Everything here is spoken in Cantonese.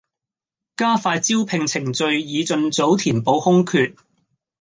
加快招聘程序以盡早填補空缺